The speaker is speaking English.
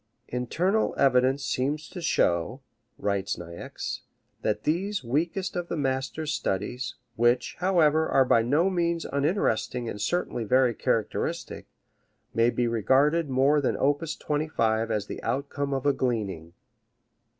"Internal evidence seems to show," writes Niecks, "that these weakest of the master's studies which, however, are by no means uninteresting and certainly very characteristic may be regarded more than op. 25 as the outcome of a gleaning."